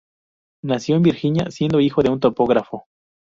Nació en Virginia, siendo hijo de un topógrafo.